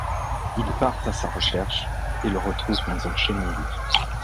Il part à sa recherche et le retrouve dans un chenil.